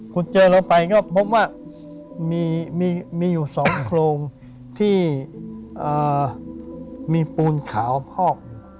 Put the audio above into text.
คุณเจอลงไปก็พบว่ามีอยู่๒โครงที่มีปูนขาวพอก